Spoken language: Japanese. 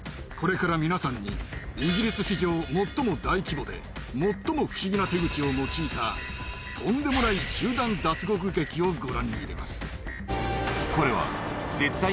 これから皆さんにイギリス史上最も大規模で最も不思議な手口を用いたとんでもない集団脱獄劇をご覧に入れます。